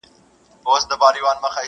په هفتو یې سره وکړل مجلسونه؛